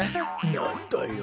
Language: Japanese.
なんだよ。